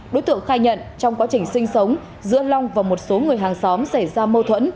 đối tượng khai nhận trong quá trình sinh sống giữ long và một số người hàng xã